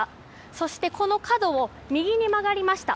そしてこの角を右に曲がりました。